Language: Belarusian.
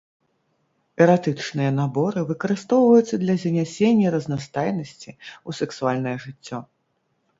Эратычныя наборы выкарыстоўваюцца для занясення разнастайнасці ў сексуальнае жыццё.